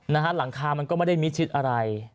หลังคามันก็ไม่ได้มิดชิดอะไร